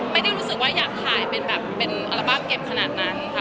ไม่ได้รู้สึกว่าอยากถ่ายเป็นแบบเป็นอัลบั้มเก็บขนาดนั้นค่ะ